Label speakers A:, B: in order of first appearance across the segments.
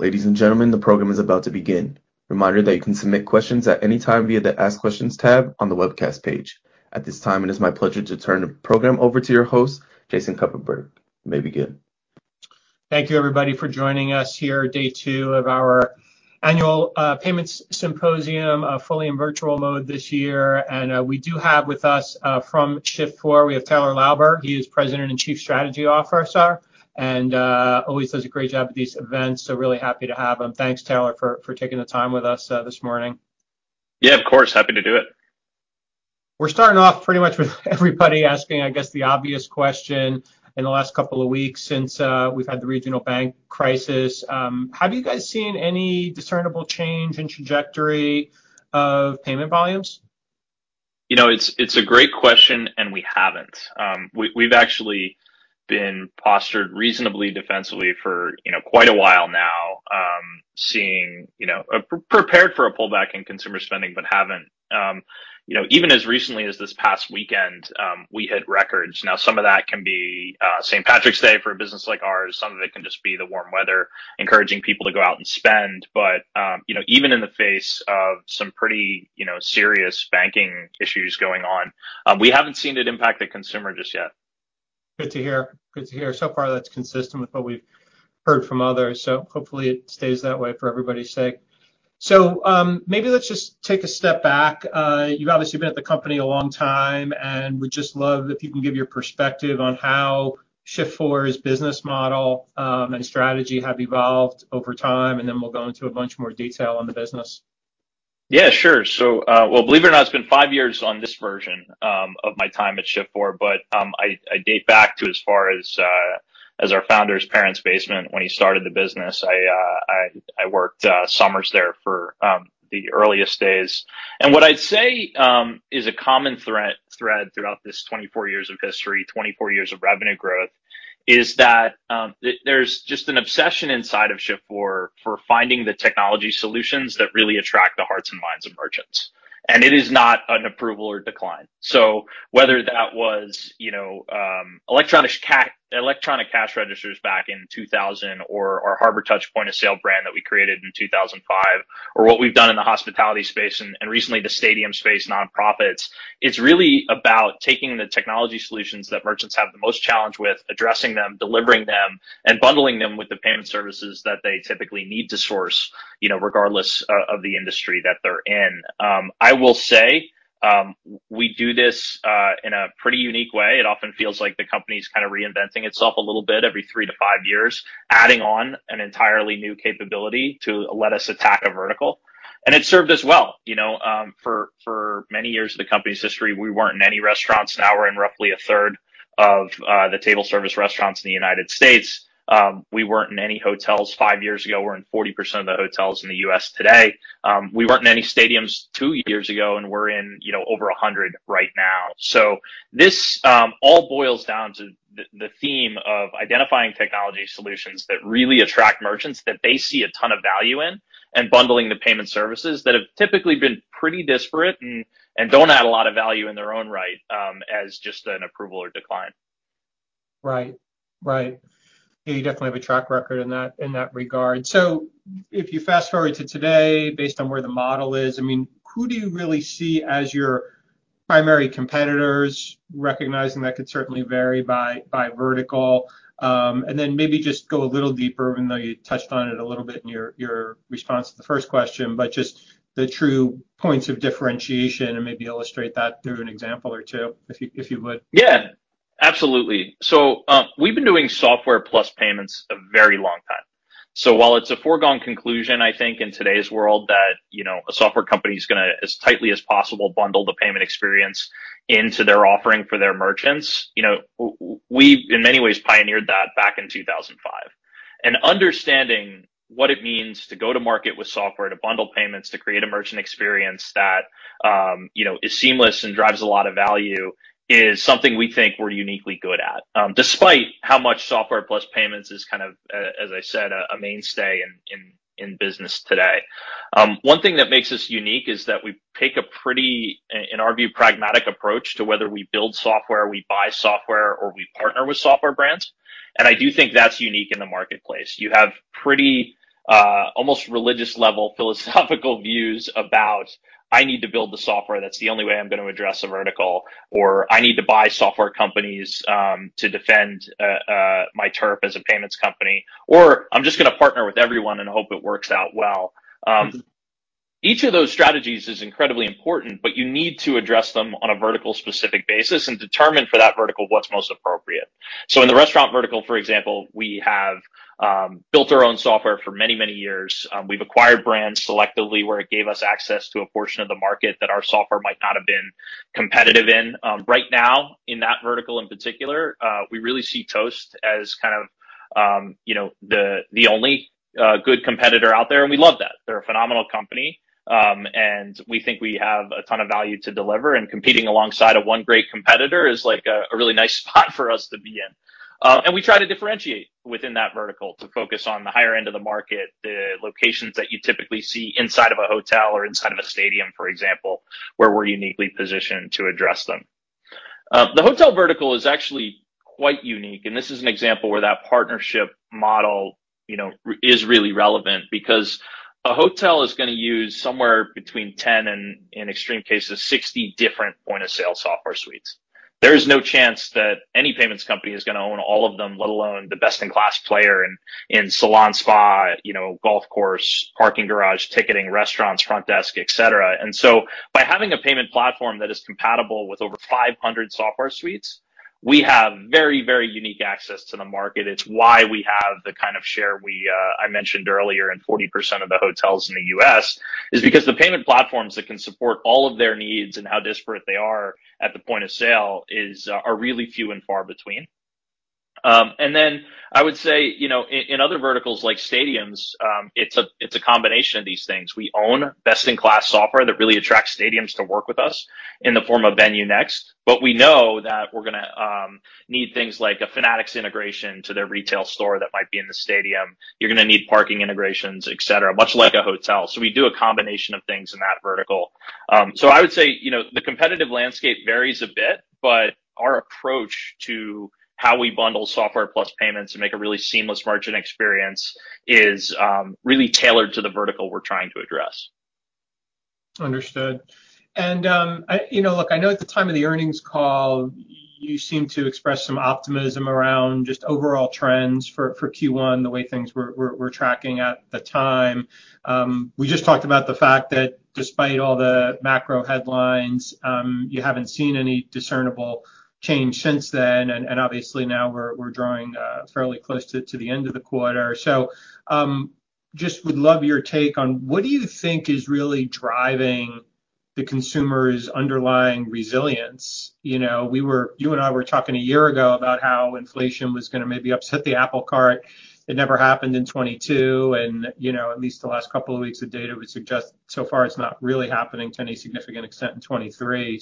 A: Ladies and gentlemen, the program is about to begin. Reminder that you can submit questions at any time via the Ask Questions tab on the webcast page. At this time, it is my pleasure to turn the program over to your host, Jason Kupferberg. You may begin.
B: Thank you, everybody, for joining us here, day two of our annual Electronic Payments Symposium, fully in virtual mode this year. We do have with us from Shift4, we have Taylor Lauber. He is President and Chief Strategy Officer and always does a great job at these events, really happy to have him. Thanks, Taylor, for taking the time with us this morning.
C: Yeah, of course. Happy to do it.
B: We're starting off pretty much with everybody asking, I guess, the obvious question in the last couple of weeks since, we've had the regional bank crisis. Have you guys seen any discernible change in trajectory of payment volumes?
C: You know, it's a great question, and we haven't. We've actually been postured reasonably defensively for, you know, quite a while now, seeing, you know. Prepared for a pullback in consumer spending. Haven't. You know, even as recently as this past weekend, we hit records. Some of that can be St. Patrick's Day for a business like ours. Some of it can just be the warm weather encouraging people to go out and spend. You know, even in the face of some pretty, you know, serious banking issues going on, we haven't seen it impact the consumer just yet.
B: Good to hear. Good to hear. So far, that's consistent with what we've heard from others, so hopefully it stays that way for everybody's sake. Maybe let's just take a step back. You've obviously been at the company a long time, and would just love if you can give your perspective on how Shift4's business model and strategy have evolved over time, and then we'll go into a bunch more detail on the business.
C: Yeah, sure. Well, believe it or not, it's been 5 years on this version of my time at Shift4, but I date back to as far as our founder's parents' basement when he started the business. I worked summers there for the earliest days. What I'd say is a common thread throughout this 24 years of history, 24 years of revenue growth, is that there's just an obsession inside of Shift4 for finding the technology solutions that really attract the hearts and minds of merchants, and it is not an approval or decline. Whether that was, you know, electronic cash registers back in 2000 or our Harbortouch point of sale brand that we created in 2005 or what we've done in the hospitality space and recently the stadium space, nonprofits, it's really about taking the technology solutions that merchants have the most challenge with, addressing them, delivering them, and bundling them with the payment services that they typically need to source, you know, regardless of the industry that they're in. I will say, we do this in a pretty unique way. It often feels like the company's kind of reinventing itself a little bit every three to five years, adding on an entirely new capability to let us attack a vertical, and it served us well. You know, for many years of the company's history, we weren't in any restaurants. Now we're in roughly a third of the table service restaurants in the United States. We weren't in any hotels five years ago. We're in 40% of the hotels in the US today. We weren't in any stadiums two years ago, and we're in, you know, over 100 right now. This all boils down to the theme of identifying technology solutions that really attract merchants that they see a ton of value in, and bundling the payment services that have typically been pretty disparate and don't add a lot of value in their own right, as just an approval or decline.
B: Right. Right. Yeah, you definitely have a track record in that, in that regard. If you fast-forward to today based on where the model is, I mean, who do you really see as your primary competitors, recognizing that could certainly vary by vertical? Maybe just go a little deeper, even though you touched on it a little bit in your response to the first question, but just the true points of differentiation, and maybe illustrate that through an example or two if you would.
C: Yeah, absolutely. We've been doing software plus payments a very long time. While it's a foregone conclusion, I think in today's world that, you know, a software company's gonna, as tightly as possible, bundle the payment experience into their offering for their merchants, you know, we, in many ways pioneered that back in 2005. Understanding what it means to go to market with software, to bundle payments, to create a merchant experience that, you know, is seamless and drives a lot of value is something we think we're uniquely good at, despite how much software plus payments is kind of, as I said, a mainstay in business today. One thing that makes us unique is that we pick a pretty, in our view, pragmatic approach to whether we build software, we buy software, or we partner with software brands, I do think that's unique in the marketplace. You have pretty, almost religious level philosophical views about, I need to build the software, that's the only way I'm gonna address a vertical, I need to buy software companies to defend my turf as a payments company, I'm just gonna partner with everyone and hope it works out well. Each of those strategies is incredibly important, You need to address them on a vertical specific basis and determine for that vertical what's most appropriate. In the restaurant vertical, for example, we have built our own software for many, many years. We've acquired brands selectively where it gave us access to a portion of the market that our software might not have been competitive in. Right now, in that vertical in particular, we really see Toast as kind of, you know, the only good competitor out there, and we love that. They're a phenomenal company, and we think we have a ton of value to deliver, and competing alongside of 1 great competitor is like a really nice spot for us to be in. And we try to differentiate within that vertical to focus on the higher end of the market, the locations that you typically see inside of a hotel or inside of a stadium, for example, where we're uniquely positioned to address them. The hotel vertical is actually quite unique, and this is an example where that partnership model, you know, is really relevant because a hotel is gonna use somewhere between 10 and, in extreme cases, 60 different point-of-sale software suites. There is no chance that any payments company is gonna own all of them, let alone the best-in-class player in salon, spa, you know, golf course, parking garage, ticketing, restaurants, front desk, et cetera. By having a payment platform that is compatible with over 500 software suites, we have very, very unique access to the market. It's why we have the kind of share we, I mentioned earlier in 40% of the hotels in the U.S., is because the payment platforms that can support all of their needs and how disparate they are at the point of sale is, are really few and far between. Then I would say, you know, in other verticals like stadiums, it's a combination of these things. We own best-in-class software that really attracts stadiums to work with us in the form of VenueNext, but we know that we're gonna need things like a Fanatics integration to their retail store that might be in the stadium. You're gonna need parking integrations, et cetera, much like a hotel. We do a combination of things in that vertical. I would say, you know, the competitive landscape varies a bit, but our approach to how we bundle software plus payments and make a really seamless merchant experience is really tailored to the vertical we're trying to address.
B: Understood. You know, look, I know at the time of the earnings call, you seemed to express some optimism around just overall trends for Q1, the way things were tracking at the time. We just talked about the fact that despite all the macro headlines, you haven't seen any discernible change since then. Obviously now we're drawing fairly close to the end of the quarter. Just would love your take on what do you think is really driving the consumer's underlying resilience? You know, you and I were talking a year ago about how inflation was gonna maybe upset the apple cart. It never happened in 2022, and, you know, at least the last couple of weeks of data would suggest so far it's not really happening to any significant extent in 2023.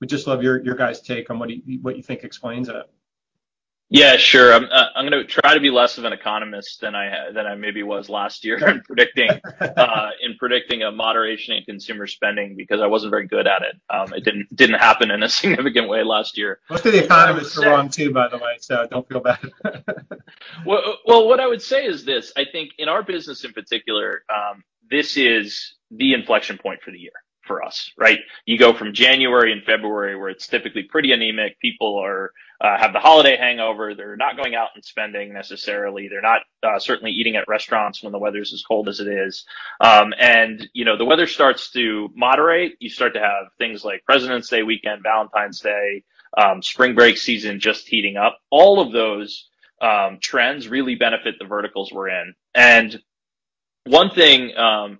B: would just love your guys' take on what you think explains it.
C: Yeah, sure. I'm gonna try to be less of an economist than I maybe was last year in predicting a moderation in consumer spending because I wasn't very good at it. It didn't happen in a significant way last year.
B: Most of the economists were wrong too, by the way, so don't feel bad.
C: Well, what I would say is this: I think in our business in particular, this is the inflection point for the year for us, right? You go from January and February, where it's typically pretty anemic, people are, have the holiday hangover, they're not going out and spending necessarily. They're not, certainly eating at restaurants when the weather's as cold as it is. You know, the weather starts to moderate. You start to have things like Presidents' Day weekend, Valentine's Day, spring break season just heating up. All of those trends really benefit the verticals we're in. One thing,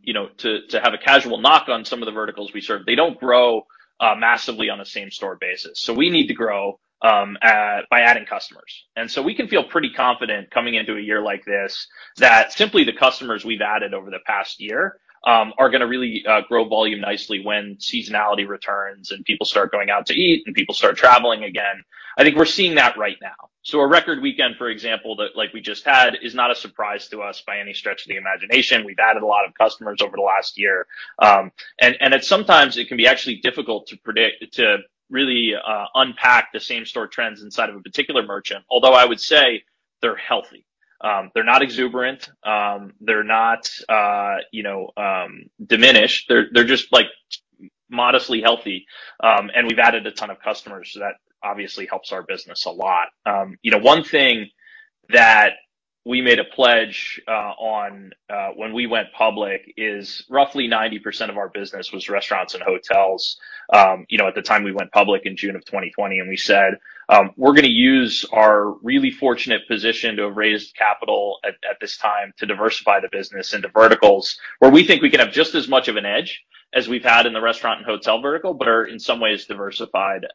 C: you know, to have a casual knock on some of the verticals we serve, they don't grow, massively on a same-store basis. We need to grow, by adding customers. We can feel pretty confident coming into a year like this that simply the customers we've added over the past year, are gonna really grow volume nicely when seasonality returns and people start going out to eat and people start traveling again. I think we're seeing that right now. A record weekend, for example, that like we just had, is not a surprise to us by any stretch of the imagination. We've added a lot of customers over the last year. And at some times it can be actually difficult to predict, to really unpack the same-store trends inside of a particular merchant, although I would say they're healthy. They're not exuberant. They're not, you know, diminished. They're just like modestly healthy. We've added a ton of customers, that obviously helps our business a lot. You know, one thing that we made a pledge on when we went public is roughly 90% of our business was restaurants and hotels. You know, at the time we went public in June of 2020 we said, we're gonna use our really fortunate position to have raised capital at this time to diversify the business into verticals where we think we can have just as much of an edge as we've had in the restaurant and hotel vertical, but are in some ways diversified.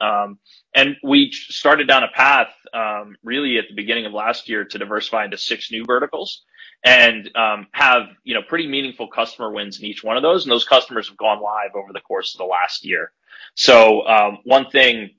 C: We started down a path, really at the beginning of last year to diversify into 6 new verticals and have, you know, pretty meaningful customer wins in each one of those, and those customers have gone live over the course of the last year. One thing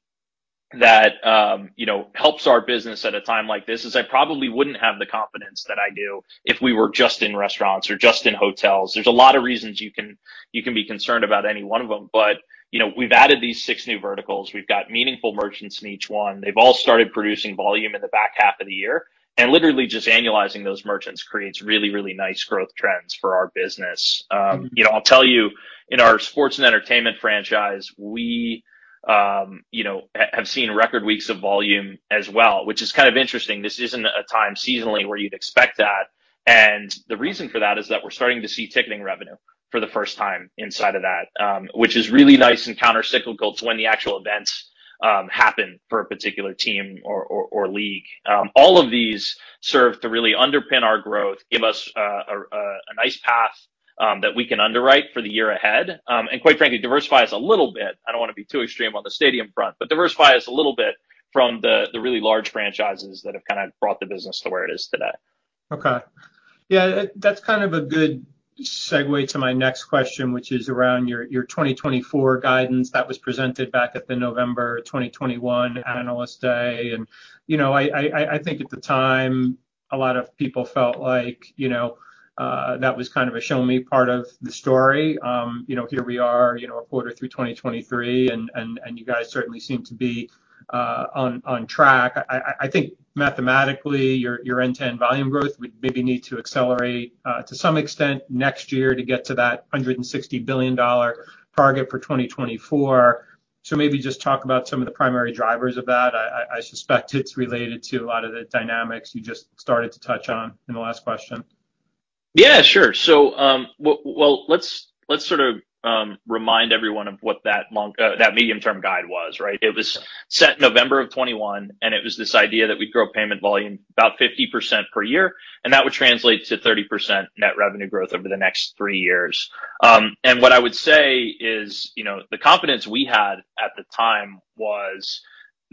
C: that, you know, helps our business at a time like this is I probably wouldn't have the confidence that I do if we were just in restaurants or just in hotels. There's a lot of reasons you can be concerned about any one of them, but you know, we've added these 6 new verticals. We've got meaningful merchants in each one. They've all started producing volume in the back half of the year. Literally just annualizing those merchants creates really, really nice growth trends for our business. You know, I'll tell you, in our sports and entertainment franchise, we, you know, have seen record weeks of volume as well, which is kind of interesting. This isn't a time seasonally where you'd expect that. The reason for that is that we're starting to see ticketing revenue for the first time inside of that, which is really nice and countercyclical to when the actual events happen for a particular team or league. All of these serve to really underpin our growth, give us a nice path that we can underwrite for the year ahead, and quite frankly, diversify us a little bit. I don't wanna be too extreme on the stadium front, but diversify us a little bit from the really large franchises that have kinda brought the business to where it is today.
B: Okay. Yeah, that's kind of a good segue to my next question, which is around your 2024 guidance that was presented back at the November 2021 analyst day. You know, I think at the time, a lot of people felt like, you know, that was kind of a show me part of the story. You know, here we are, you know, a quarter through 2023, and you guys certainly seem to be on track. I think mathematically your end-to-end volume growth would maybe need to accelerate to some extent next year to get to that $160 billion target for 2024. Maybe just talk about some of the primary drivers of that? I suspect it's related to a lot of the dynamics you just started to touch on in the last question.
C: Yeah, sure. Well, let's sort of remind everyone of what that medium-term guide was, right? It was set November of 2021, it was this idea that we'd grow payment volume about 50% per year, and that would translate to 30% net revenue growth over the next 3 years. What I would say is, you know, the confidence we had at the time was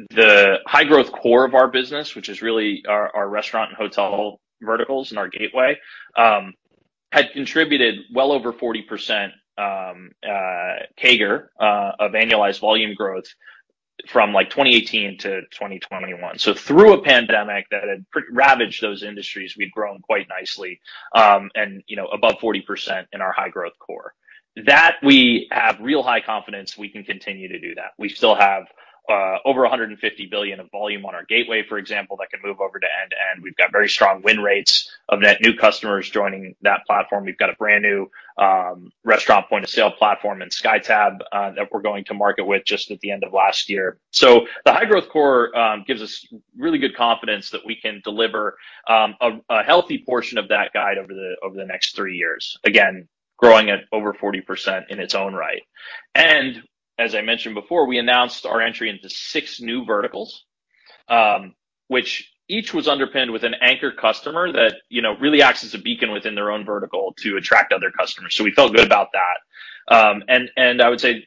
C: the high growth core of our business, which is really our restaurant and hotel verticals and our gateway had contributed well over 40% CAGR of annualized volume growth from like 2018 to 2021. Through a pandemic that had ravaged those industries, we'd grown quite nicely, and, you know, above 40% in our high growth core. That we have real high confidence we can continue to do that. We still have over $150 billion of volume on our gateway, for example, that can move over to end-to-end. We've got very strong win rates of net new customers joining that platform. We've got a brand-new restaurant point-of-sale platform in SkyTab that we're going to market with just at the end of last year. The high growth core gives us really good confidence that we can deliver a healthy portion of that guide over the over the next 3 years. Again, growing at over 40% in its own right. As I mentioned before, we announced our entry into 6 new verticals, which each was underpinned with an anchor customer that, you know, really acts as a beacon within their own vertical to attract other customers. We felt good about that. And I would say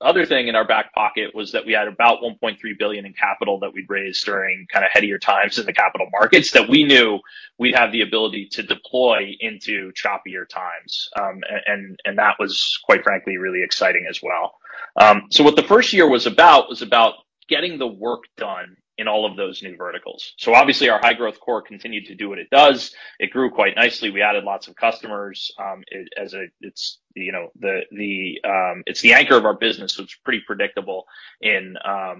C: the other thing in our back pocket was that we had about $1.3 billion in capital that we'd raised during kind of headier times in the capital markets that we knew we'd have the ability to deploy into choppier times. And that was, quite frankly, really exciting as well. What the first year was about was about getting the work done in all of those new verticals. Obviously, our high growth core continued to do what it does. It grew quite nicely. We added lots of customers, it's, you know, the anchor of our business, so it's pretty predictable in how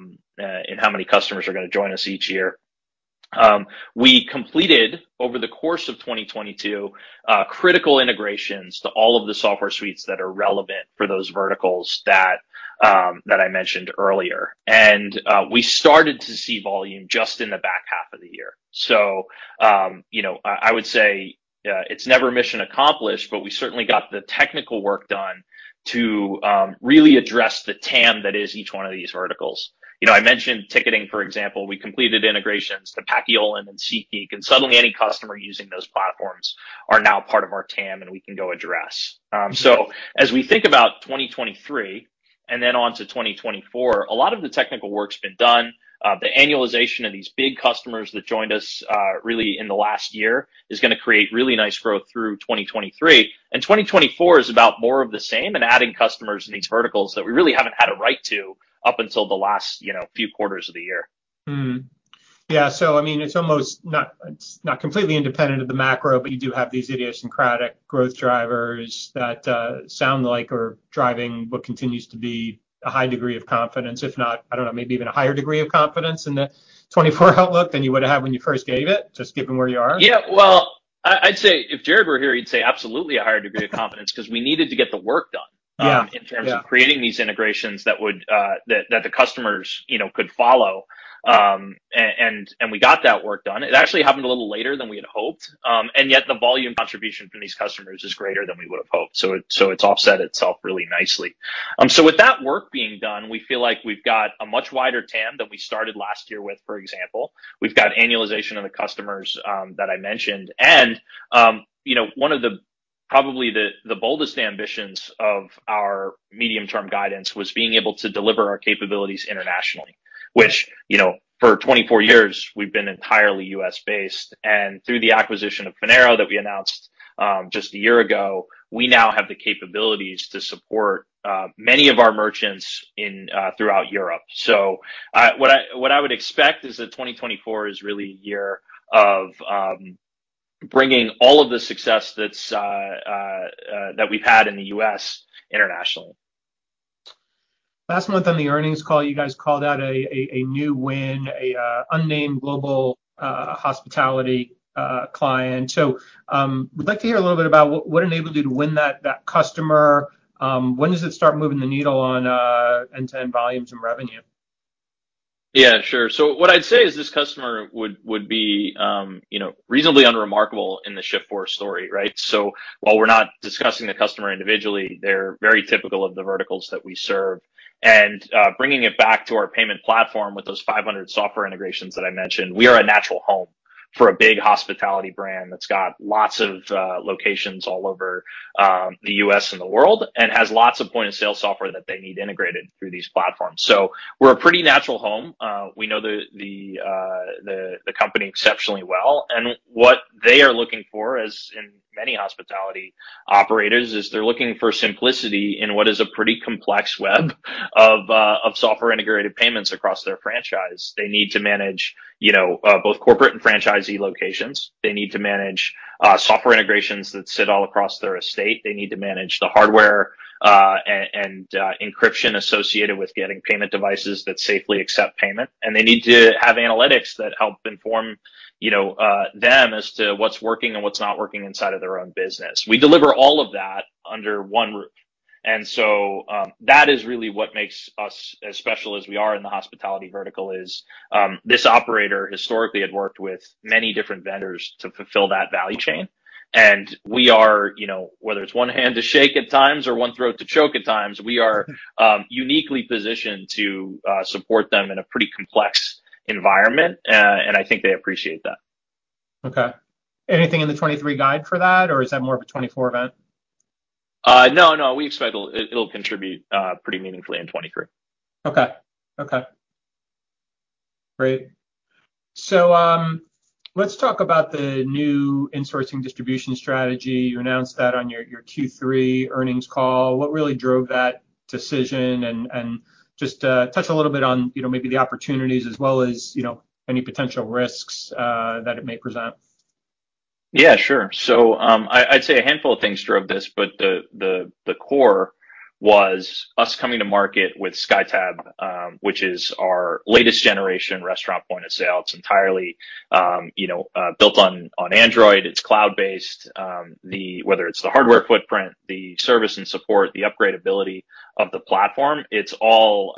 C: many customers are gonna join us each year. We completed over the course of 2022 critical integrations to all of the software suites that are relevant for those verticals that I mentioned earlier. We started to see volume just in the back half of the year. You know, I would say it's never mission accomplished, but we certainly got the technical work done to really address the TAM that is each one of these verticals. You know, I mentioned ticketing, for example. We completed integrations to Paciolan and SeatGeek, and suddenly any customer using those platforms are now part of our TAM, and we can go address. As we think about 2023 and then onto 2024, a lot of the technical work's been done. The annualization of these big customers that joined us, really in the last year is gonna create really nice growth through 2023. 2024 is about more of the same and adding customers in these verticals that we really haven't had a right to up until the last, you know, few quarters of the year.
B: Yeah. I mean, it's almost not, it's not completely independent of the macro, but you do have these idiosyncratic growth drivers that sound like are driving what continues to be a high degree of confidence, if not, I don't know, maybe even a higher degree of confidence in the 2024 outlook than you would have when you first gave it, just given where you are.
C: Yeah. Well, I'd say if Jared were here, he'd say absolutely a higher degree of confidence because we needed to get the work done.
B: Yeah
C: In terms of creating these integrations that would that the customers, you know, could follow. We got that work done. It actually happened a little later than we had hoped, and yet the volume contribution from these customers is greater than we would have hoped. It's offset itself really nicely. With that work being done, we feel like we've got a much wider TAM than we started last year with, for example. We've got annualization of the customers that I mentioned. You know, one of the, probably the boldest ambitions of our medium-term guidance was being able to deliver our capabilities internationally, which, you know, for 24 years we've been entirely U.S.-based. Through the acquisition of Finaro that we announced, just a year ago, we now have the capabilities to support many of our merchants throughout Europe. What I would expect is that 2024 is really a year of bringing all of the success that we've had in the US internationally.
B: Last month on the earnings call, you guys called out a new win, a unnamed global hospitality client. We'd like to hear a little bit about what enabled you to win that customer. When does it start moving the needle on end-to-end volumes and revenue?
C: Yeah, sure. What I'd say is this customer would be, you know, reasonably unremarkable in the Shift4 story, right? While we're not discussing the customer individually, they're very typical of the verticals that we serve. Bringing it back to our payment platform with those 500 software integrations that I mentioned, we are a natural home for a big hospitality brand that's got lots of locations all over the U.S. and the world and has lots of point-of-sale software that they need integrated through these platforms. We're a pretty natural home. We know the company exceptionally well, and what they are looking for, as in many hospitality operators, is they're looking for simplicity in what is a pretty complex web of software integrated payments across their franchise. They need to manage, you know, both corporate and franchisee locations. They need to manage software integrations that sit all across their estate. They need to manage the hardware and encryption associated with getting payment devices that safely accept payment. They need to have analytics that help inform, you know, them as to what's working and what's not working inside of their own business. We deliver all of that under one roof. That is really what makes us as special as we are in the hospitality vertical is, this operator historically had worked with many different vendors to fulfill that value chain. We are, you know, whether it's one hand to shake at times or one throat to choke at times, we are uniquely positioned to support them in a pretty complex environment. I think they appreciate that.
B: Okay. Anything in the 2023 guide for that, or is that more of a 2024 event?
C: No, we expect it'll contribute pretty meaningfully in 2023.
B: Okay. Okay. Great. Let's talk about the new insourcing distribution strategy. You announced that on your Q3 earnings call. What really drove that decision? Just touch a little bit on, you know, maybe the opportunities as well as, you know, any potential risks that it may present.
C: Yeah, sure. I'd say a handful of things drove this, but the core was us coming to market with SkyTab, which is our latest generation restaurant point of sale. It's entirely, you know, built on Android. It's cloud-based. Whether it's the hardware footprint, the service and support, the upgradeability of the platform, it's all,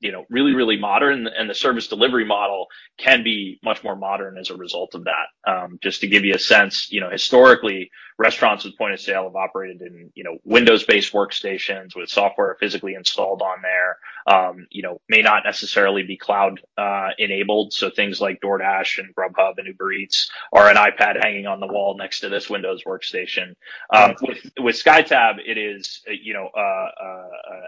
C: you know, really modern, and the service delivery model can be much more modern as a result of that. Just to give you a sense, you know, historically, restaurants with point of sale have operated in, you know, Windows-based workstations with software physically installed on there, you know, may not necessarily be cloud enabled, so things like DoorDash and Grubhub and Uber Eats are an iPad hanging on the wall next to this Windows workstation. With SkyTab, it is, you know,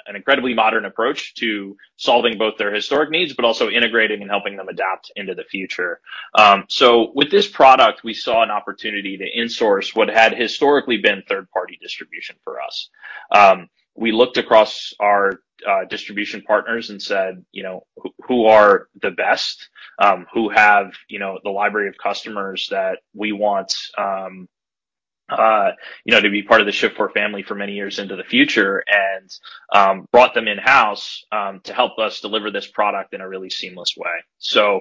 C: an incredibly modern approach to solving both their historic needs, but also integrating and helping them adapt into the future. With this product, we saw an opportunity to insource what had historically been third-party distribution for us. We looked across our distribution partners and said, you know, "Who are the best, who have, you know, the library of customers that we want, you know, to be part of the Shift4 family for many years into the future?" Brought them in-house to help us deliver this product in a really seamless way.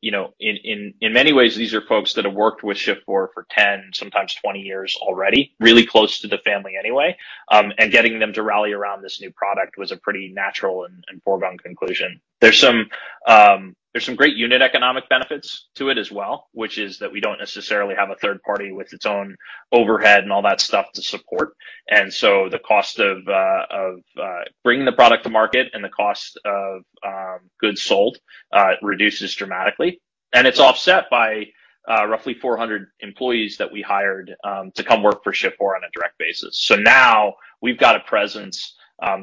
C: You know, in many ways, these are folks that have worked with Shift4 for 10, sometimes 20 years already, really close to the family anyway, and getting them to rally around this new product was a pretty natural and foregone conclusion. There's some great unit economic benefits to it as well, which is that we don't necessarily have a third party with its own overhead and all that stuff to support. The cost of bringing the product to market and the cost of goods sold reduces dramatically. It's offset by roughly 400 employees that we hired to come work for Shift4 on a direct basis. Now we've got a presence,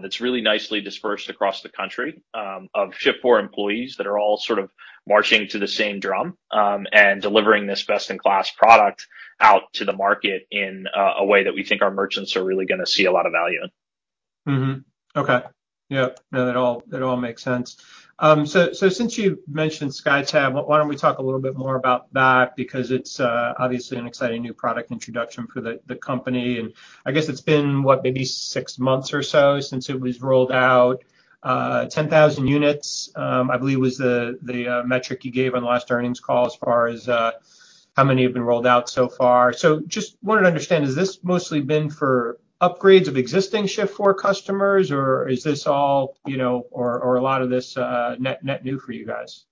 C: that's really nicely dispersed across the country, of Shift4 employees that are all sort of marching to the same drum, and delivering this best-in-class product out to the market in a way that we think our merchants are really gonna see a lot of value in.
B: Mm-hmm. Okay. Yep, no, that all, that all makes sense. Since you mentioned SkyTab, why don't we talk a little bit more about that because it's obviously an exciting new product introduction for the company. I guess it's been, what? Maybe six months or so since it was rolled out. 10,000 units, I believe was the metric you gave on the last earnings call as far as how many have been rolled out so far. Just wanted to understand, has this mostly been for upgrades of existing Shift4 customers, or is this all, you know, or a lot of this net new for you guys?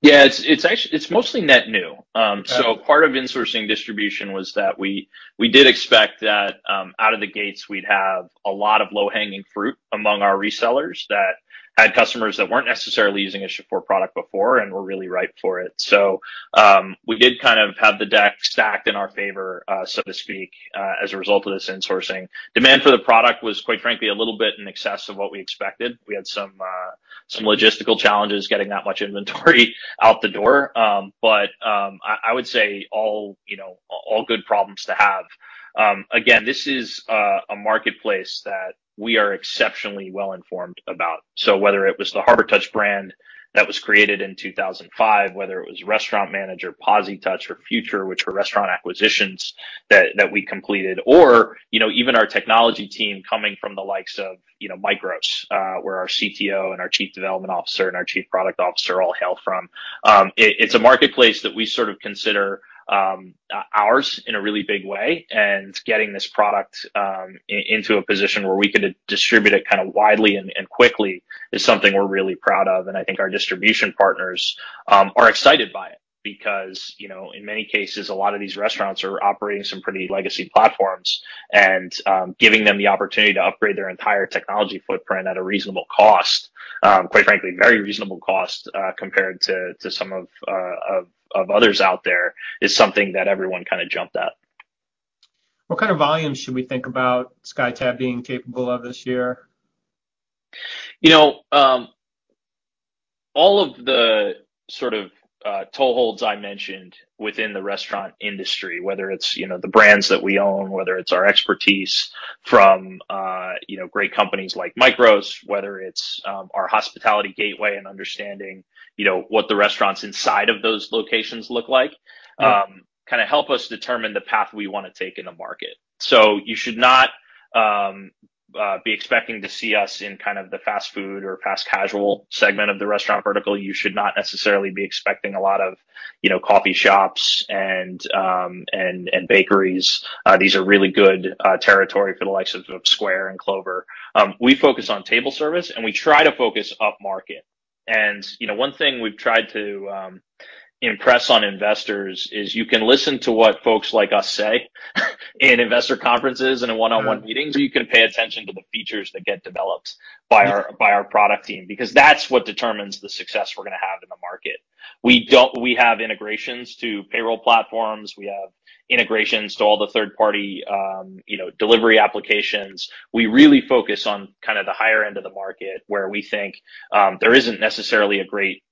C: Yeah, it's mostly net new.
B: Okay.
C: Part of insourcing distribution was that we did expect that, out of the gates, we'd have a lot of low-hanging fruit among our resellers that had customers that weren't necessarily using a Shift4 product before and were really ripe for it. We did kind of have the deck stacked in our favor, so to speak, as a result of this insourcing. Demand for the product was, quite frankly, a little bit in excess of what we expected. We had some logistical challenges getting that much inventory out the door. I would say all, you know, all good problems to have. Again, this is a marketplace that we are exceptionally well informed about. Whether it was the Harbortouch brand that was created in 2005, whether it was Restaurant Manager, POSitouch, or Future, which were restaurant acquisitions that we completed, or, you know, even our technology team coming from the likes of, you know, MICROS, where our CTO and our Chief Development Officer and our Chief Product Officer all hail from. It's a marketplace that we sort of consider ours in a really big way, and getting this product into a position where we could distribute it kind of widely and quickly is something we're really proud of, and I think our distribution partners are excited by it. You know, in many cases, a lot of these restaurants are operating some pretty legacy platforms and giving them the opportunity to upgrade their entire technology footprint at a reasonable cost, quite frankly, very reasonable cost, compared to some of others out there, is something that everyone kind of jumped at.
B: What kind of volumes should we think about SkyTab being capable of this year?
C: You know, All of the sort of, toeholds I mentioned within the restaurant industry, whether it's, you know, the brands that we own, whether it's our expertise from, you know, great companies like MICROS, whether it's, our hospitality gateway and understanding, you know, what the restaurants inside of those locations look like.
B: Mm-hmm
C: kind of help us determine the path we wanna take in the market. You should not be expecting to see us in kind of the fast food or fast casual segment of the restaurant vertical. You should not necessarily be expecting a lot of, you know, coffee shops and bakeries. These are really good territory for the likes of Square and Clover. We focus on table service, and we try to focus upmarket. You know, one thing we've tried to impress on investors is you can listen to what folks like us say in investor conferences.
B: Mm-hmm
C: In one-on-one meetings, or you can pay attention to the features that get developed by our product team, because that's what determines the success we're gonna have in the market. We have integrations to payroll platforms. We have integrations to all the third party, you know, delivery applications. We really focus on kind of the higher end of the market, where we think there isn't necessarily a great,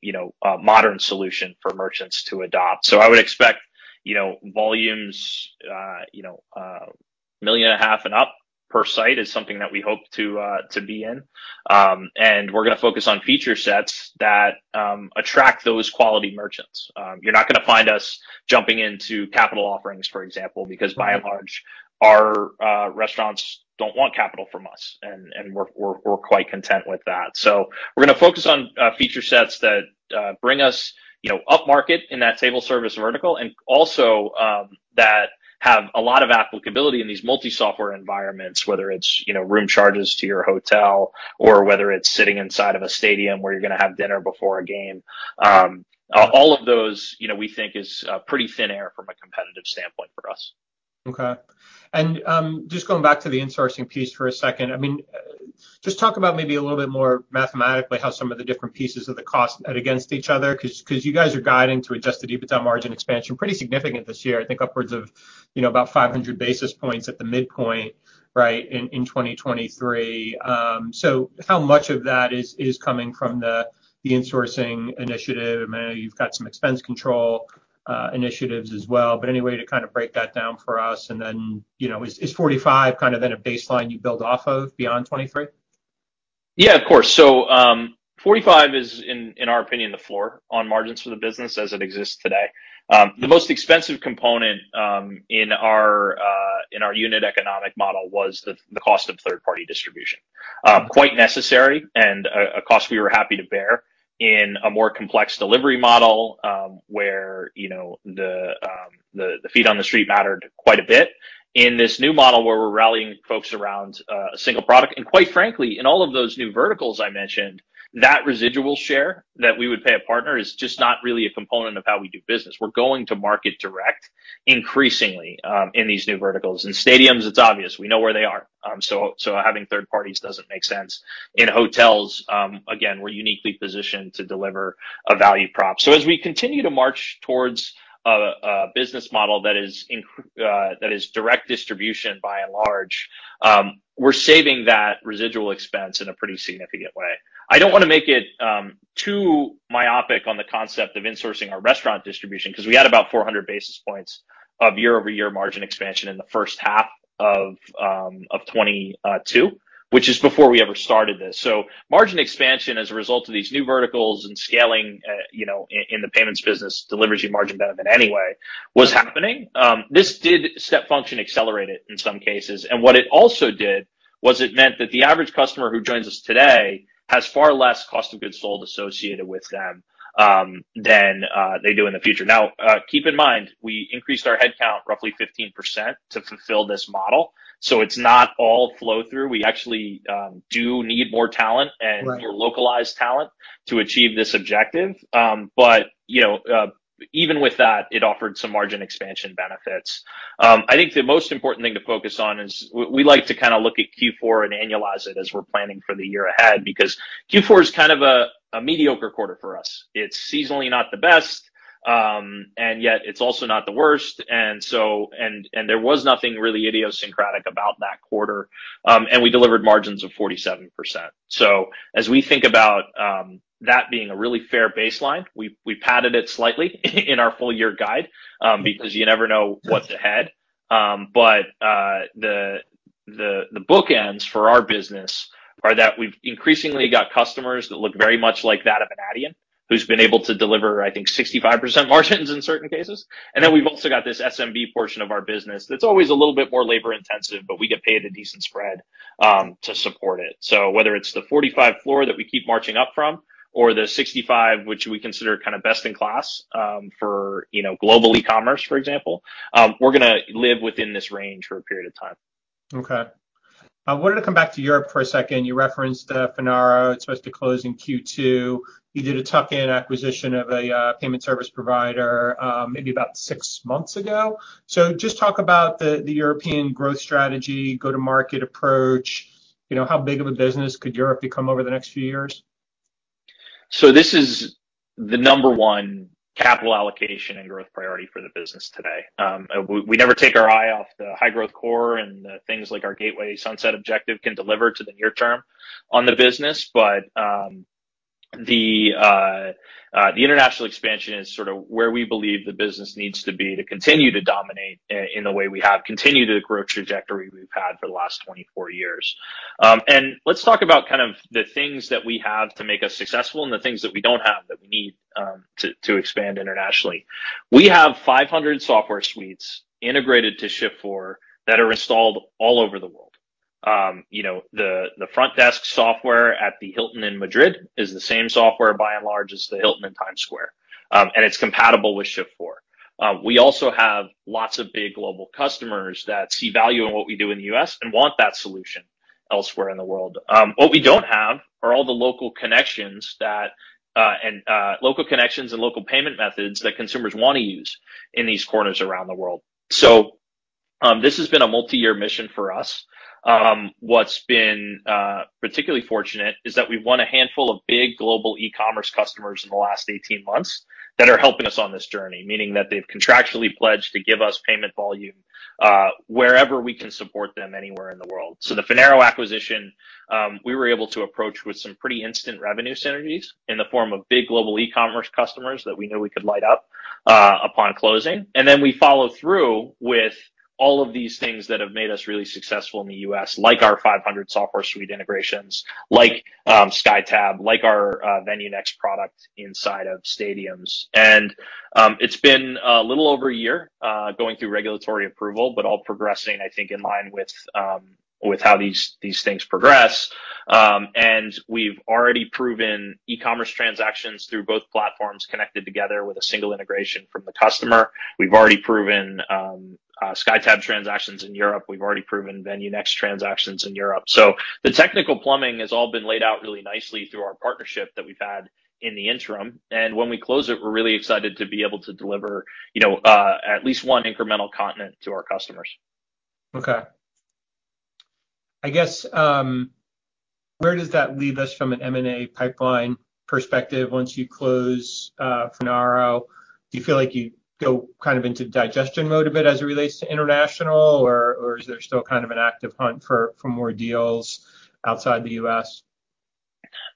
C: you know, a modern solution for merchants to adopt. I would expect, you know, volumes, you know, million and a half and up per site is something that we hope to be in. And we're gonna focus on feature sets that attract those quality merchants. You're not gonna find us jumping into capital offerings, for example.
B: Mm-hmm.
C: By and large, our restaurants don't want capital from us, and we're quite content with that. We're gonna focus on feature sets that bring us, you know, upmarket in that table service vertical and also that have a lot of applicability in these multi-software environments, whether it's, you know, room charges to your hotel or whether it's sitting inside of a stadium where you're gonna have dinner before a game. All of those, you know, we think is pretty thin air from a competitive standpoint for us.
B: Okay. Just going back to the insourcing piece for a second, just talk about maybe a little bit more mathematically how some of the different pieces of the cost add against each other 'cause you guys are guiding to adjusted EBITDA margin expansion pretty significant this year, I think upwards of about 500 basis points at the midpoint, right, in 2023. How much of that is coming from the insourcing initiative? I know you've got some expense control initiatives as well, but any way to kind of break that down for us? You know, is 45 kind of then a baseline you build off of beyond 2023?
C: Yeah, of course. 45% is in our opinion, the floor on margins for the business as it exists today. The most expensive component in our unit economic model was the cost of third-party distribution. Quite necessary and a cost we were happy to bear in a more complex delivery model, where, you know, the feet on the street mattered quite a bit. In this new model where we're rallying folks around a single product, and quite frankly, in all of those new verticals I mentioned, that residual share that we would pay a partner is just not really a component of how we do business. We're going to market direct increasingly in these new verticals. In stadiums, it's obvious. We know where they are. Having third parties doesn't make sense. In hotels, again, we're uniquely positioned to deliver a value prop. As we continue to march towards a business model that is direct distribution by and large, we're saving that residual expense in a pretty significant way. I don't wanna make it too myopic on the concept of insourcing our restaurant distribution 'cause we had about 400 basis points of year-over-year margin expansion in the first half of 2022, which is before we ever started this. Margin expansion as a result of these new verticals and scaling, you know, in the payments business delivers you margin benefit anyway, was happening. This did step function accelerate it in some cases. What it also did was it meant that the average customer who joins us today has far less cost of goods sold associated with them than they do in the future. Now, keep in mind, we increased our headcount roughly 15% to fulfill this model, so it's not all flow through. We actually do need more talent.
B: Right
C: And more localized talent to achieve this objective. You know, even with that, it offered some margin expansion benefits. I think the most important thing to focus on is we like to kinda look at Q4 and annualize it as we're planning for the year ahead, because Q4 is kind of a mediocre quarter for us. It's seasonally not the best, and yet it's also not the worst. There was nothing really idiosyncratic about that quarter. We delivered margins of 47%. As we think about that being a really fair baseline, we padded it slightly in our full year guide, because you never know what's ahead. The bookends for our business are that we've increasingly got customers that look very much like that of an Adyen, who's been able to deliver, I think, 65% margins in certain cases. We've also got this SMB portion of our business that's always a little bit more labor intensive, but we get paid a decent spread to support it. Whether it's the 45 floor that we keep marching up from or the 65, which we consider kind of best in class, for, you know, global e-commerce, for example, we're gonna live within this range for a period of time.
B: Okay. I wanted to come back to Europe for a second. You referenced, Finaro. It's supposed to close in Q2. You did a tuck-in acquisition of a payment service provider, maybe about 6 months ago. Just talk about the European growth strategy, go-to-market approach. You know, how big of a business could Europe become over the next few years?
C: This is the number 1 capital allocation and growth priority for the business today. We never take our eye off the high growth core and the things like our Gateway Sunset objective can deliver to the near term on the business. The international expansion is sort of where we believe the business needs to be to continue to dominate in the way we have, continue the growth trajectory we've had for the last 24 years. Let's talk about kind of the things that we have to make us successful and the things that we don't have that we need to expand internationally. We have 500 software suites integrated to Shift4 that are installed all over the world. You know, the front desk software at the Hilton in Madrid is the same software, by and large, as the Hilton in Times Square. It's compatible with Shift4. We also have lots of big global customers that see value in what we do in the US and want that solution elsewhere in the world. What we don't have are all the local connections and local payment methods that consumers wanna use in these corners around the world. This has been a multiyear mission for us. What's been particularly fortunate is that we've won a handful of big global e-commerce customers in the last 18 months that are helping us on this journey, meaning that they've contractually pledged to give us payment volume wherever we can support them anywhere in the world. The Finaro acquisition, we were able to approach with some pretty instant revenue synergies in the form of big global e-commerce customers that we knew we could light up upon closing. We follow through with all of these things that have made us really successful in the US, like our 500 software suite integrations, like SkyTab, like our VenueNext product inside of stadiums. It's been a little over a year going through regulatory approval, but all progressing, I think, in line with how these things progress. We've already proven e-commerce transactions through both platforms connected together with a single integration from the customer. We've already proven SkyTab transactions in Europe. We've already proven VenueNext transactions in Europe. The technical plumbing has all been laid out really nicely through our partnership that we've had in the interim. When we close it, we're really excited to be able to deliver, you know, at least 1 incremental continent to our customers.
B: Okay. I guess, where does that leave us from an M&A pipeline perspective once you close Finaro? Do you feel like you go kind of into digestion mode a bit as it relates to international, or is there still kind of an active hunt for more deals outside the U.S.?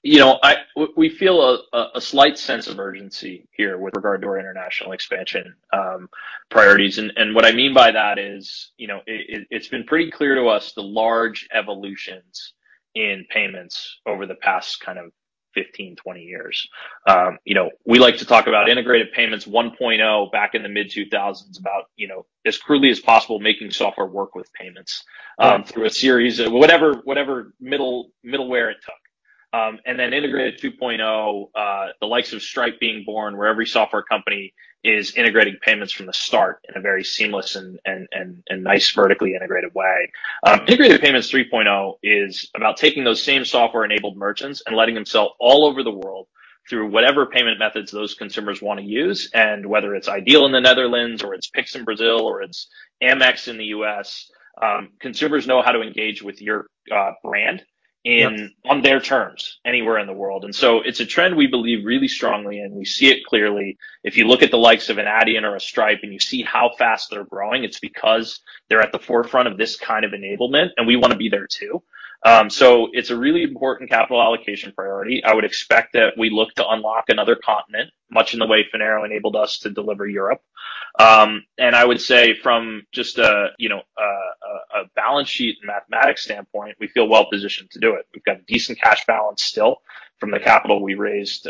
C: You know, We feel a slight sense of urgency here with regard to our international expansion priorities. What I mean by that is, you know, it's been pretty clear to us the large evolutions in payments over the past kind of 15, 20 years. You know, we like to talk about integrated payments 1.0 back in the mid-2000s about, you know, as crudely as possible, making software work with payments through a series of whatever middleware it took. Then integrated 2.0, the likes of Stripe being born, where every software company is integrating payments from the start in a very seamless and nice, vertically integrated way. integrated payments 3.0 is about taking those same software-enabled merchants and letting them sell all over the world through whatever payment methods those consumers wanna use, and whether it's iDEAL in the Netherlands or it's Pix in Brazil or it's Amex in the US, consumers know how to engage with your brand and on their terms anywhere in the world. It's a trend we believe really strongly, and we see it clearly. If you look at the likes of an Adyen or a Stripe and you see how fast they're growing, it's because they're at the forefront of this kind of enablement, and we wanna be there too. It's a really important capital allocation priority. I would expect that we look to unlock another continent, much in the way Finaro enabled us to deliver Europe. I would say from just a, you know, a balance sheet and mathematics standpoint, we feel well positioned to do it. We've got a decent cash balance still from the capital we raised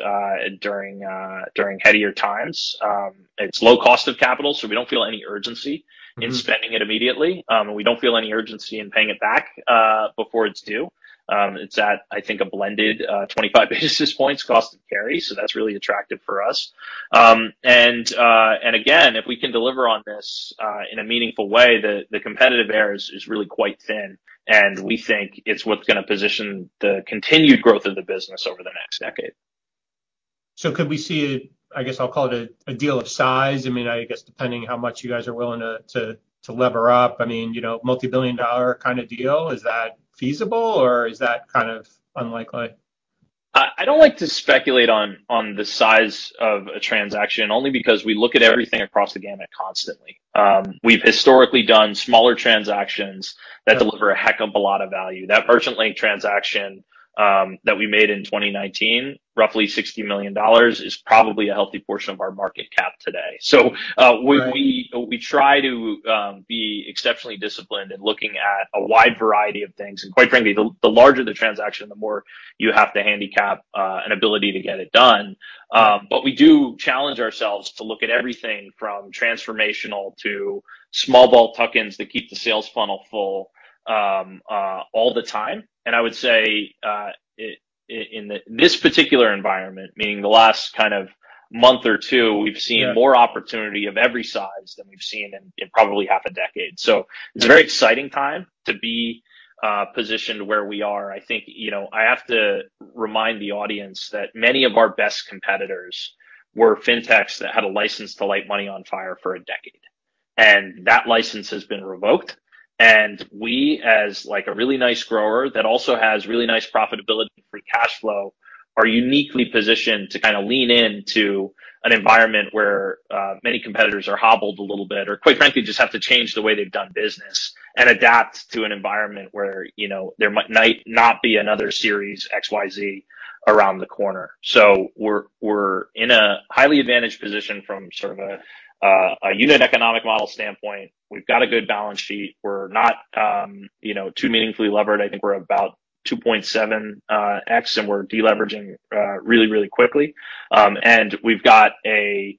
C: during headier times. It's low cost of capital, so we don't feel any urgency in spending it immediately. We don't feel any urgency in paying it back before it's due. It's at, I think, a blended 25 basis points cost to carry, so that's really attractive for us. Again, if we can deliver on this in a meaningful way, the competitive air is really quite thin, and we think it's what's gonna position the continued growth of the business over the next decade.
B: Could we see, I guess I'll call it a deal of size, I mean, I guess depending how much you guys are willing to lever up, I mean, you know, multi-billion dollar kind of deal, is that feasible or is that kind of unlikely?
C: I don't like to speculate on the size of a transaction only because we look at everything across the gamut constantly. We've historically done smaller transactions that deliver a heck of a lot of value. That Merchant Link transaction that we made in 2019, roughly $60 million, is probably a healthy portion of our market cap today. We try to be exceptionally disciplined in looking at a wide variety of things. Quite frankly, the larger the transaction, the more you have to handicap an ability to get it done. We do challenge ourselves to look at everything from transformational to small ball tuck-ins that keep the sales funnel full all the time. I would say, in this particular environment, meaning the last kind of month or 2, we've seen more opportunity of every size than we've seen in probably half a decade. It's a very exciting time to be positioned where we are. I think, you know, I have to remind the audience that many of our best competitors were Fintechs that had a license to light money on fire for a decade. That license has been revoked. We as like a really nice grower that also has really nice profitability for cash flow, are uniquely positioned to kind of lean into an environment where many competitors are hobbled a little bit, or quite frankly, just have to change the way they've done business and adapt to an environment where, you know, there might not be another series X, Y, Z around the corner. We're in a highly advantaged position from sort of a unit economic model standpoint. We've got a good balance sheet. We're not, you know, too meaningfully levered. I think we're about 2.7x, and we're de-leveraging really quickly. We've got a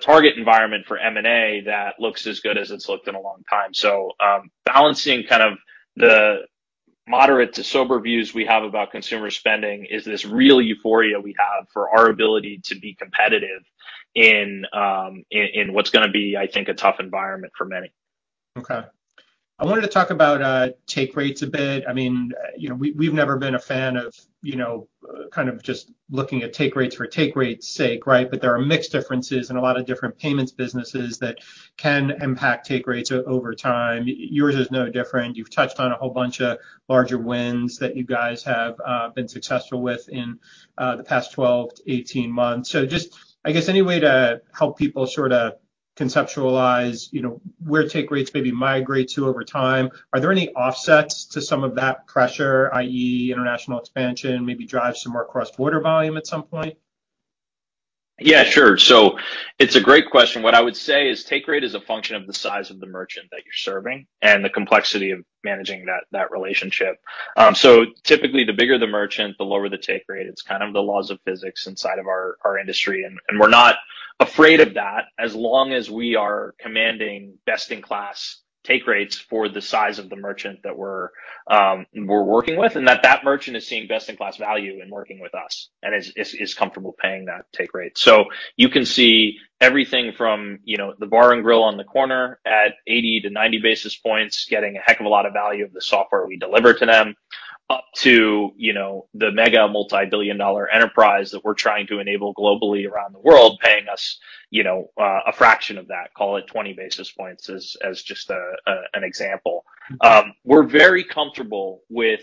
C: target environment for M&A that looks as good as it's looked in a long time. Balancing kind of the moderate to sober views we have about consumer spending is this real euphoria we have for our ability to be competitive in what's gonna be, I think, a tough environment for many.
B: Okay. I wanted to talk about take rates a bit. I mean, you know, we've never been a fan of, you know, kind of just looking at take rates for take rate's sake, right? There are mixed differences in a lot of different payments businesses that can impact take rates over time. Yours is no different. You've touched on a whole bunch of larger wins that you guys have been successful with in the past 12 to 18 months. Just, I guess, any way to help people sort of conceptualize, you know, where take rates maybe migrate to over time? Are there any offsets to some of that pressure, i.e., international expansion, maybe drive some more cross-border volume at some point?
C: Yeah, sure. It's a great question. What I would say is take rate is a function of the size of the merchant that you're serving and the complexity of managing that relationship. Typically the bigger the merchant, the lower the take rate. It's kind of the laws of physics inside of our industry. We're not afraid of that as long as we are commanding best in class take rates for the size of the merchant that we're working with, and that merchant is seeing best in class value in working with us and is comfortable paying that take rate. You can see everything from, you know, the bar and grill on the corner at 80 to 90 basis points, getting a heck of a lot of value of the software we deliver to them, up to, you know, the mega multi-billion dollar enterprise that we're trying to enable globally around the world, paying us, you know, a fraction of that, call it 20 basis points as just an example. We're very comfortable with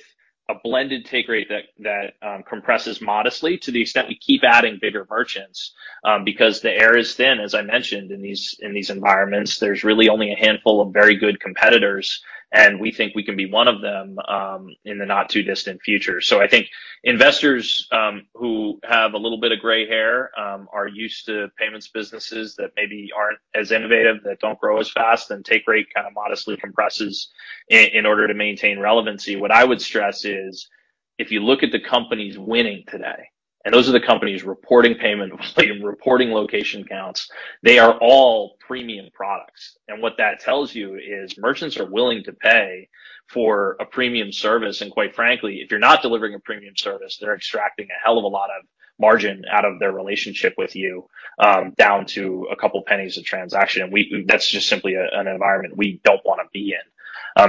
C: a blended take rate that compresses modestly to the extent we keep adding bigger merchants, because the air is thin, as I mentioned, in these environments. There's really only a handful of very good competitors, and we think we can be one of them in the not too distant future. I think investors, who have a little bit of gray hair, are used to payments businesses that maybe aren't as innovative, that don't grow as fast, and take rate kind of modestly compresses in order to maintain relevancy. What I would stress is if you look at the companies winning today, and those are the companies reporting payment volume, reporting location counts, they are all premium products. What that tells you is merchants are willing to pay for a premium service, and quite frankly, if you're not delivering a premium service, they're extracting a hell of a lot of margin out of their relationship with you, down to a couple pennies a transaction. That's just simply an environment we don't wanna be in.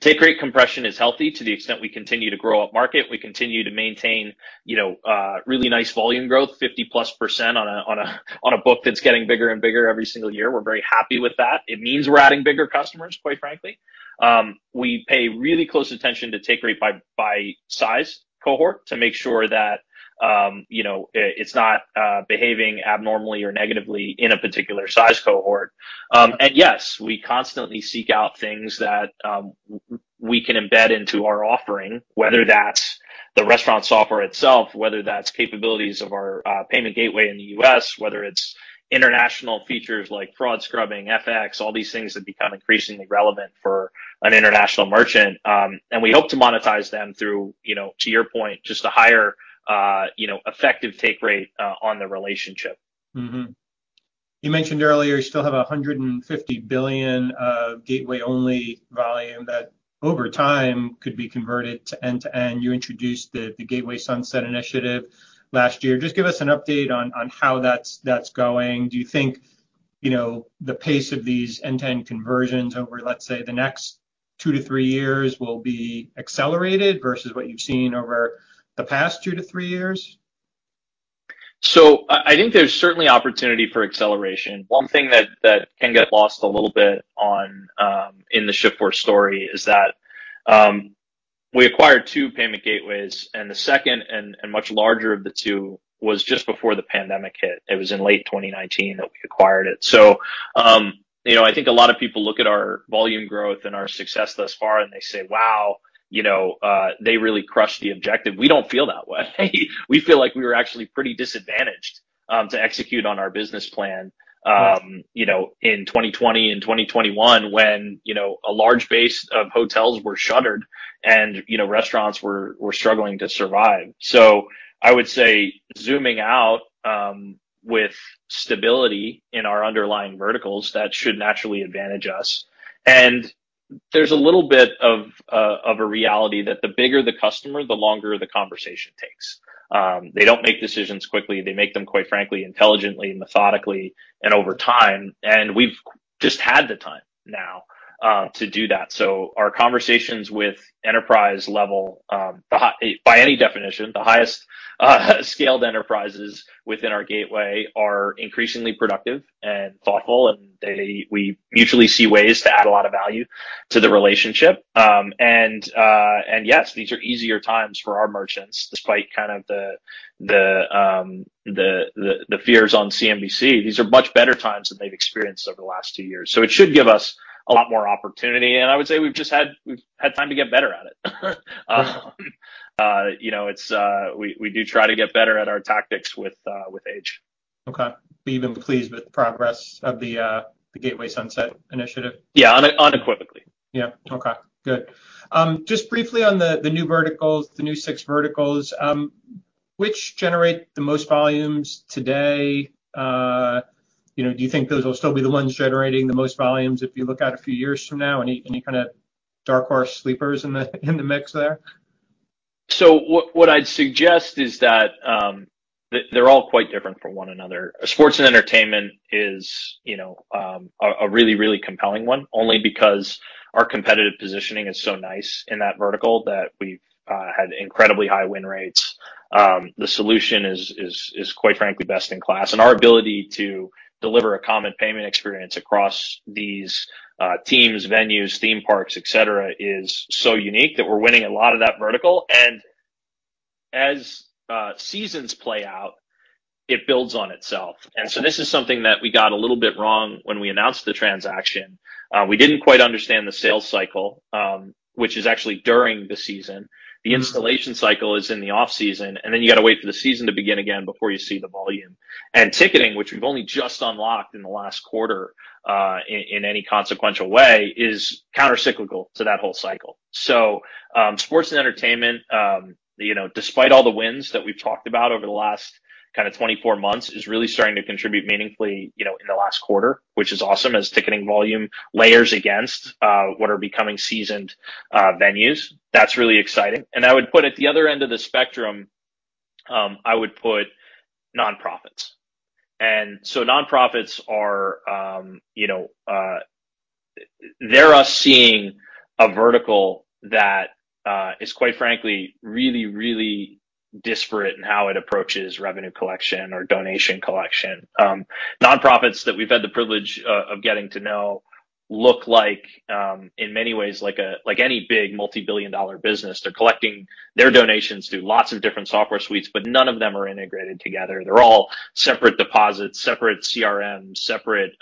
C: Take rate compression is healthy to the extent we continue to grow up market. We continue to maintain, you know, really nice volume growth, 50%+ on a book that's getting bigger and bigger every single year. We're very happy with that. It means we're adding bigger customers, quite frankly. We pay really close attention to take rate by size cohort to make sure that, you know, it's not behaving abnormally or negatively in a particular size cohort. Yes, we constantly seek out things that we can embed into our offering, whether that's the restaurant software itself, whether that's capabilities of our payment gateway in the U.S., whether it's international features like fraud scrubbing, FX, all these things that become increasingly relevant for an international merchant. We hope to monetize them through, you know, to your point, just a higher, you know, effective take rate on the relationship.
B: You mentioned earlier you still have $150 billion of gateway-only volume that over time could be converted to end-to-end. You introduced the Gateway Sunset Initiative last year. Just give us an update on how that's going. Do you think, you know, the pace of these end-to-end conversions over, let's say, the next 2-3 years will be accelerated versus what you've seen over the past 2-3 years?
C: I think there's certainly opportunity for acceleration. One thing that can get lost a little bit on in the Shift4 story is that we acquired two payment gateways, and the second and much larger of the two was just before the pandemic hit. It was in late 2019 that we acquired it. You know, I think a lot of people look at our volume growth and our success thus far, and they say, "Wow, you know, they really crushed the objective." We don't feel that way. We feel like we were actually pretty disadvantaged to execute on our business plan, you know, in 2020 and 2021 when, you know, a large base of hotels were shuttered and, you know, restaurants were struggling to survive. I would say zooming out, with stability in our underlying verticals, that should naturally advantage us. There's a little bit of a reality that the bigger the customer, the longer the conversation takes. They don't make decisions quickly. They make them, quite frankly, intelligently, methodically, and over time, and we've just had the time now to do that. Our conversations with enterprise level, by any definition, the highest scaled enterprises within our gateway are increasingly productive and thoughtful, and we mutually see ways to add a lot of value to the relationship. Yes, these are easier times for our merchants, despite kind of the fears on CNBC, these are much better times than they've experienced over the last two years. It should give us a lot more opportunity, and I would say we've had time to get better at it. You know, it's. We do try to get better at our tactics with age.
B: Okay. Been pleased with the progress of the Gateway Sunset Initiative?
C: Yeah, unequivocally.
B: Yeah. Okay, good. Just briefly on the new verticals, the new six verticals, which generate the most volumes today, you know, do you think those will still be the ones generating the most volumes if you look out a few years from now? Any kinda dark horse sleepers in the mix there?
C: What I'd suggest is that they're all quite different from one another. Sports and entertainment is, you know, a really compelling one, only because our competitive positioning is so nice in that vertical that we've had incredibly high win rates. The solution is, quite frankly, best in class. Our ability to deliver a common payment experience across these teams, venues, theme parks, et cetera, is so unique that we're winning a lot of that vertical. As seasons play out, it builds on itself. This is something that we got a little bit wrong when we announced the transaction. We didn't quite understand the sales cycle, which is actually during the season. The installation cycle is in the off-season, then you gotta wait for the season to begin again before you see the volume. Ticketing, which we've only just unlocked in the last quarter, in any consequential way, is countercyclical to that whole cycle. Sports and entertainment, you know, despite all the wins that we've talked about over the last kinda 24 months, is really starting to contribute meaningfully, you know, in the last quarter, which is awesome, as ticketing volume layers against, what are becoming seasoned venues. That's really exciting. I would put at the other end of the spectrum, I would put nonprofits. Nonprofits are, you know, they're us seeing a vertical that is quite frankly really, really disparate in how it approaches revenue collection or donation collection. Nonprofits that we've had the privilege of getting to know look like, in many ways like any big multi-billion dollar business. They're collecting their donations through lots of different software suites, but none of them are integrated together. They're all separate deposits, separate CRMs, separate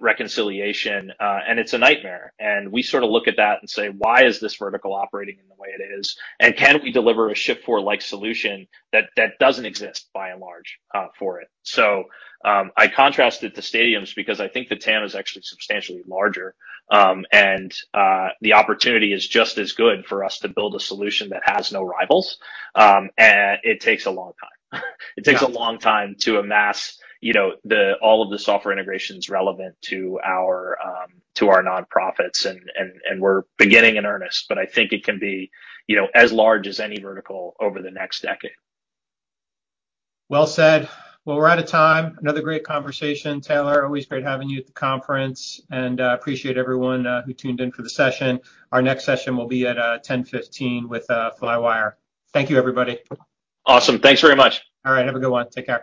C: reconciliation, and it's a nightmare. We sorta look at that and say, "Why is this vertical operating in the way it is? Can we deliver a Shift4-like solution that doesn't exist by and large for it?" I contrasted the stadiums because I think the TAM is actually substantially larger, and the opportunity is just as good for us to build a solution that has no rivals, and it takes a long time. It takes a long time to amass, you know, the, all of the software integrations relevant to our, to our nonprofits. We're beginning in earnest, but I think it can be, you know, as large as any vertical over the next decade.
B: Well said. Well, we're out of time. Another great conversation. Taylor, always great having you at the conference. Appreciate everyone who tuned in for the session. Our next session will be at 10:15 A.M. with Flywire. Thank you, everybody.
C: Awesome. Thanks very much.
B: All right, have a good one. Take care.